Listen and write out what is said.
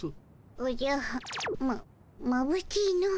おじゃままぶしいの。